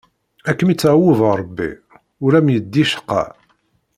Ad kem-itaweb Ṛebbi, ur am-yeddi ccqa.